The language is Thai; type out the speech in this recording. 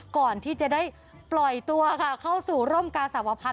ก่อนที่จะได้ปล่อยตัวค่ะเข้าสู่ร่มกาสาวพันธ